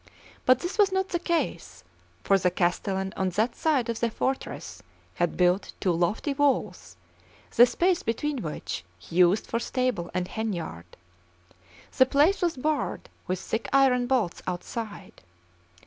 But this was not the case; for the castellan on that side of the fortress had built two lofty walls, the space between which he used for stable and henyard; the place was barred with thick iron bolts outside.